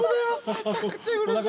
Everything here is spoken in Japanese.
めちゃくちゃうれしい。